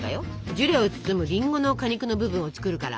ジュレを包むりんごの果肉の部分を作るから。